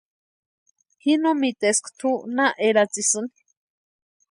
Ji no miteska tʼu na eratsisïni.